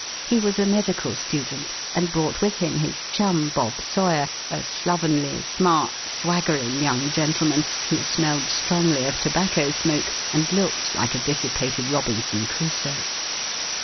He was a medical student, and brought with him his chum, Bob Sawyer, a slovenly, smart, swaggering young gentleman, who smelled strongly of tobacco smoke and looked like a dissipated Robinson Crusoe.